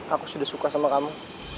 aku sudah suka sama kamu